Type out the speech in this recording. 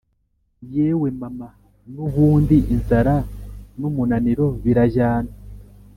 yewe mama, nubundi inzara numunaniro birajyana